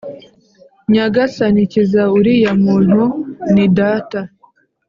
Nyagasani, kiza uriya muntu ni data.